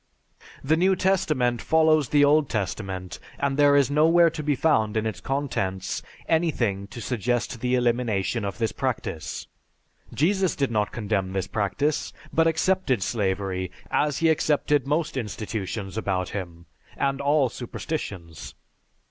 The New Testament follows the Old Testament, and there is nowhere to be found in its contents anything to suggest the elimination of this practice. Jesus did not condemn this practice, but accepted slavery as he accepted most institutions about him, and all superstitions.